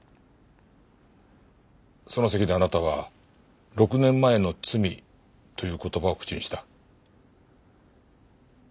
その席であなたは６年前の罪という言葉を口にした。